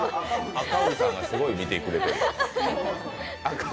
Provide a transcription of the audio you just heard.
赤荻さんがすごい見てくれてる。